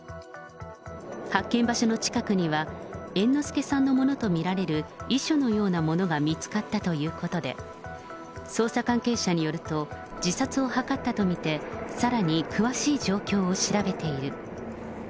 発見場所の近くには、猿之助さんのものと見られる遺書のようなものが見つかったということで、捜査関係者によると、自殺を図ったと見て、さらに詳しい状況を調べている。